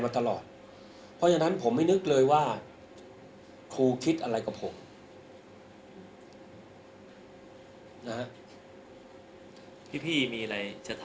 สำหรับเรื่องนี้ข้าวมาค่ะคุณอาจคิดว่ามันมีคนอยู่ด้านหลังไหมคะ